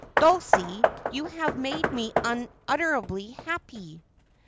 Dulcie, you have made me unutterably happy.'